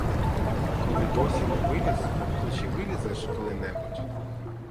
Коли досі не виліз, то чи вилізе ж коли-небудь?